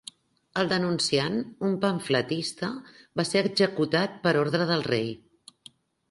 El denunciant, un pamfletista, va ser executat per ordre del Rei.